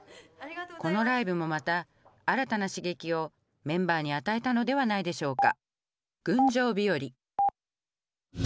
このライブもまた新たな刺激をメンバーに与えたのではないでしょうか。